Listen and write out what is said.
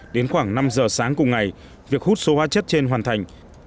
đến khoảng năm giờ sáng cùng ngày việc hút số hóa chất trên hoàn thành